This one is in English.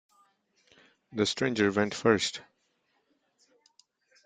The stranger went first.